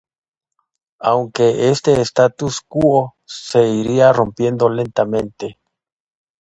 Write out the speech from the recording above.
Aunque este estatus quo se iría rompiendo lentamente.